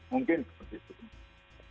mungkin seperti itu